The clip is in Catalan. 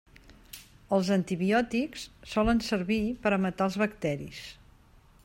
Els antibiòtics solen servir per a matar els bacteris.